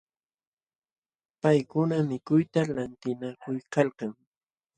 Paykuna mikuytam lantinakuykalkan.